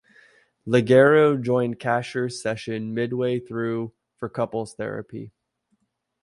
Leggero joined Kasher's session midway through for couples therapy.